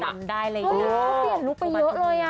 จำได้เลยนะเขาเปลี่ยนรู้ไปเยอะเลยอ่ะ